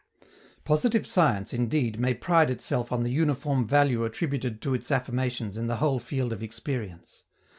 Positive science, indeed, may pride itself on the uniform value attributed to its affirmations in the whole field of experience.